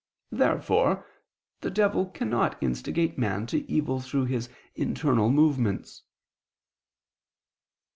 Therefore the devil cannot instigate man to evil through his internal movements.